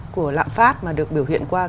của lạng phát mà được biểu hiện qua